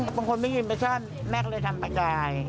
บางคนไม่กินประชาญแม่ก็เลยทำตะกาย